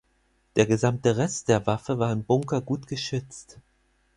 Der gesamte Rest der Waffe war im Bunker gut geschützt.